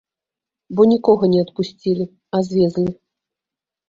Бо нікога не адпусцілі, а звезлі.